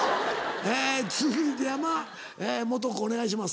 続いて山本君お願いします。